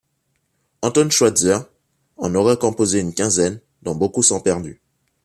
Anton Schweitzer en aurait composé une quinzaine, dont beaucoup sont perdues.